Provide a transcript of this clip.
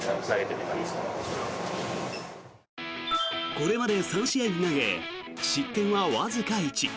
これまで３試合を投げ失点はわずか１。